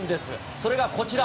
それがこちら。